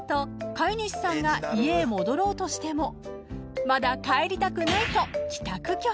飼い主さんが家へ戻ろうとしてもまだ帰りたくないと］